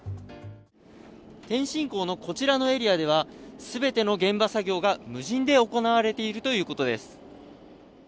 天津港のこちらのエリアでは、全ての現場作業が無人で行われているということです。